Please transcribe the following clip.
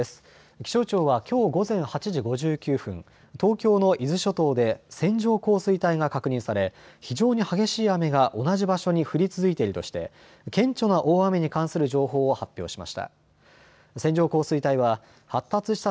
気象庁はきょう午前８時５９分、東京の伊豆諸島で線状降水帯が確認され非常に激しい雨が同じ場所に降り続いているとして顕著な大雨に関する情報を発表しました。